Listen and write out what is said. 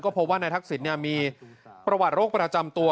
พบว่านายทักษิณมีประวัติโรคประจำตัว